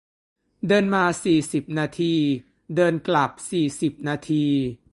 เดินมาสี่สิบนาที เดินกลับสี่สิบนาที